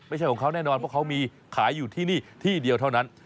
ไม่ใช่ของเขาแน่นอนเพราะเขามีขายอยู่ที่นี่ที่เดียวเท่านั้น